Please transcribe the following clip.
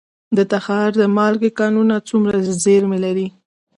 د تخار د مالګې کانونه څومره زیرمې لري؟